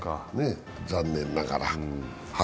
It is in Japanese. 残念ながら。